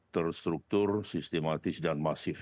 terstruktur sistematis dan masif